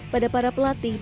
pada para pelatih